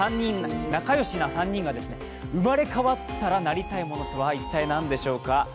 仲良しな３人が生まれ変わったらなりたいものとは一体何でしょうか。